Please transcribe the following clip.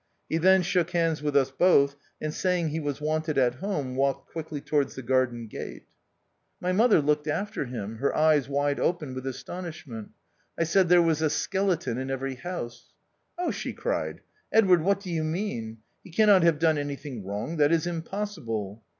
He then shook hands with us both, and saying he was wanted at home, walked quickly to wards the garden gate. THE OUTCAST. 65 My mother looked after him, her eyes wide open with astonishment. I said there was a skeleton in every house. " Oh I " she cried, "Edward, what do you mean? He cannot have done anything wrong ; that is impossible."